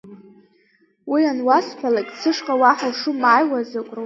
Уи ануасҳәалак, сышҟа уаҳа ушымааиуа азы агәра сургома?